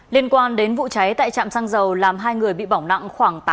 liên quan đến vụ cháy tại trạm xăng dầu làm hai người bị bỏng nặng